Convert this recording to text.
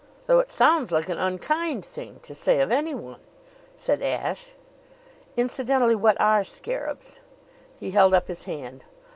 "Though it sounds like an unkind thing to say of anyone," said Ashe. "Incidentally, what are scarabs?" He held up his hand.